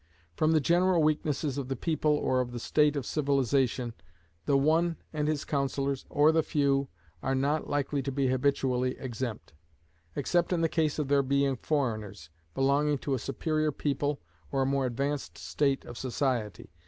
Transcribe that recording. From the general weaknesses of the people or of the state of civilization, the One and his councillors, or the Few, are not likely to be habitually exempt; except in the case of their being foreigners, belonging to a superior people or a more advanced state of society.